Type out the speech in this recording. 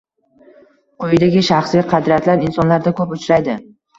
Quyidagi shaxsiy qadriyatlar insonlarda ko’p uchraydi